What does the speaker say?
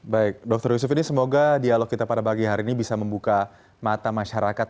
baik dr yusuf ini semoga dialog kita pada pagi hari ini bisa membuka mata masyarakat